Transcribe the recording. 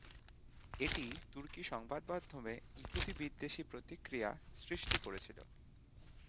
এটি তুর্কি সংবাদমাধ্যমে ইহুদি-বিদ্বেষী প্রতিক্রিয়া সৃষ্টি করেছিল।